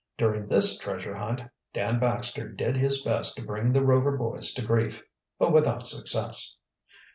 During this treasure hunt Dan Baxter did his best to bring the Rover boys to grief, but without success.